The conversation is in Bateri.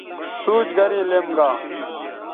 سوچ گرے لیم گا